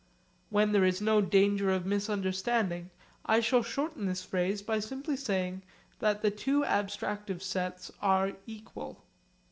When there is no danger of misunderstanding I shall shorten this phrase by simply saying that the two abstractive sets are 'equal.'